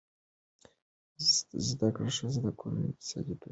زده کړه ښځه د کورنۍ اقتصادي پریکړې کوي.